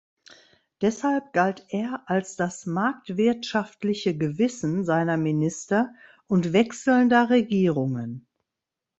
Deshalb galt er als das „marktwirtschaftliche Gewissen“ seiner Minister und wechselnder Regierungen.